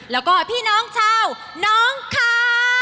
แล้วก็พี่น้องชาวน้องคา